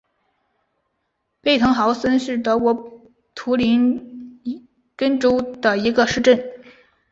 贝滕豪森是德国图林根州的一个市镇。